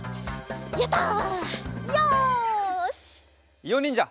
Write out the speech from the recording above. いおにんじゃ！